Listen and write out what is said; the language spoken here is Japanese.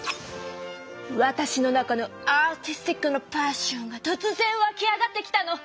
わたしの中のアーティスティックなパッションがとつぜんわき上がってきたの！